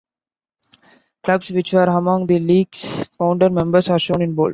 Clubs which were among the league's founder members are shown in bold.